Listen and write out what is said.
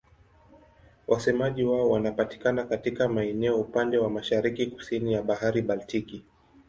Wasemaji wao wanapatikana katika maeneo upande wa mashariki-kusini ya Bahari Baltiki.